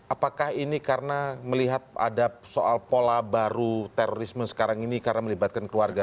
apakah ini karena melihat ada soal pola baru terorisme sekarang ini karena melibatkan keluarga